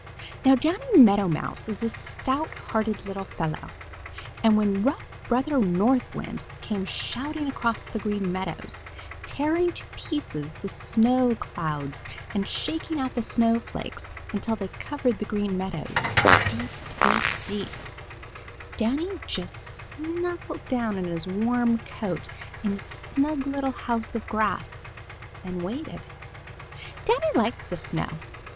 Now Danny Meadow Mouse is a stout hearted little fellow, and when rough Brother North Wind came shouting across the Green Meadows, tearing to pieces the snow clouds and shaking out the snowflakes until they covered the Green Meadows deep, deep, deep, Danny just snuggled down in his warm coat in his snug little house of grass and waited. Danny liked the snow.